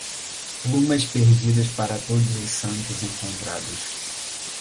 Plumas perdidas, para Todos os Santos encontrados.